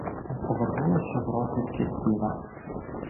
Повернулася з розвідки Тіна.